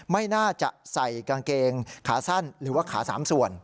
ไม่น่าจะใส่กางเกงขาสั้นหรือว่าขา๓ส่วน